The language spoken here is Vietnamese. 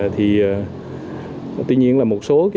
tuy nhiên là một số